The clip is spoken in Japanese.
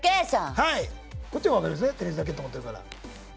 こっちは分かりますねテニスラケット持ってるから。